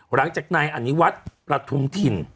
หลังจากนายอนิวัฒน์ประทุมถิ่น